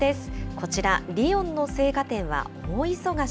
こちら、リヨンの生花店は大忙し。